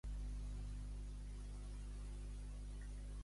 HBO Max; engega l'app.